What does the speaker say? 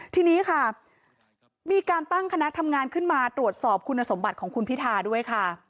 ทีนี้ค่ะมีการตั้งคณะทำงานขึ้นมาตรวจสอบคุณสมบัติของคุณพิธาด้วยค่ะ